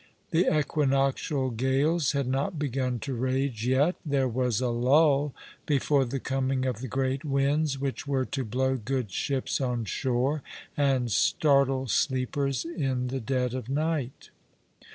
The equinoctial gales had not begun to rage yet. There was a lull before the coming of the great winds which were to blow good ships on shore, and startle sleepers in the dead of night.